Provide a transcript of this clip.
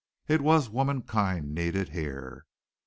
"It was womankind needed here.